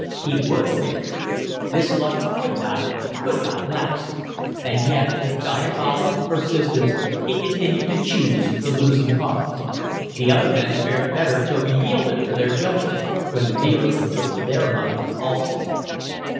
He would win. This luck would not, could not, last and yet with diabolic persistence he continued to choose the losing cards. The other men fared better till be yielded to their judgment, when the dealer took their money also.